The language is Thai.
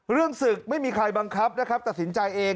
เรื่องศึกไม่มีใครบังคับนะครับตัดสินใจเอง